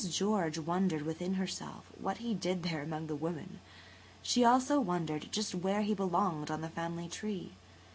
George wondered within herself what he did there among the women. She also wondered just where he belonged on the family tree.